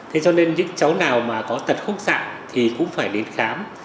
thế cho nên những cháu nào mà có tật khúc xạ thì cũng phải đến khám